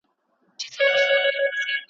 دوی د لږې اجورې په بدل کي کار کاوه.